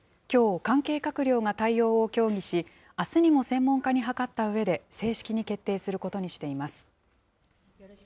きょう、関係閣僚が対応を協議し、あすにも専門家に諮ったうえで正式に決定することにしています。